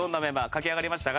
書き上がりましたか？